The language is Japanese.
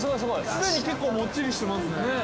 すでに結構もっちりしてますね。